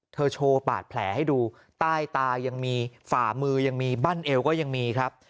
โชว์บาดแผลให้ดูใต้ตายังมีฝ่ามือยังมีบั้นเอวก็ยังมีครับ